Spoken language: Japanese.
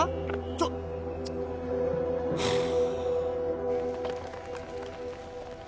ちょっはあ